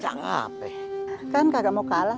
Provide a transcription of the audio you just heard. iya ya dan karena bor hunter